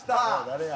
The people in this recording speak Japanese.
誰や？